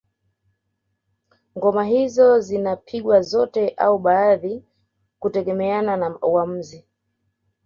Ngoma hizo zinapigwa zote au baadhi kutegemeana na uamuzi